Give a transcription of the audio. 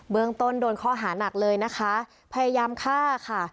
เมืองต้นโดนข้อหานักเลยนะคะพยายามฆ่าค่ะ